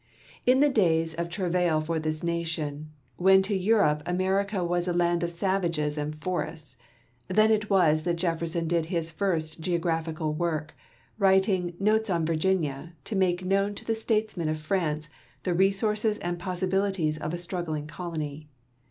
In the days of travail for this nation, when to Europe America was a land of savages and forests, then it was that Jeffer.son did his first geographical wo*rk, writing " Notes on Virginia," to make known to the statesmen of France the resources and possibilities of a struggling colony.